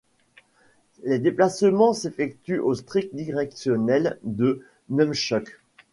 Les déplacements s'effectuent au stick directionnel du Nunchuk.